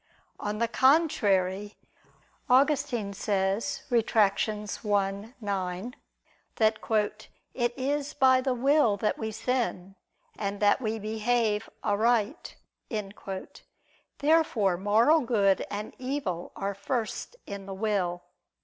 On the contrary, Augustine says (Retract. i, 9) that "it is by the will that we sin, and that we behave aright." Therefore moral good and evil are first in the will.